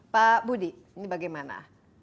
pak budi ini bagaimana